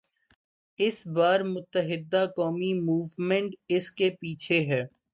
اس بار متحدہ قومی موومنٹ اس کے پیچھے ہے۔